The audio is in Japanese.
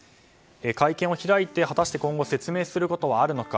会見を開いて、果たして今後、説明することはあるのか。